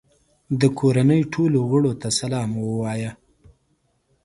د کورنۍ ټولو غړو ته سلام ووایه.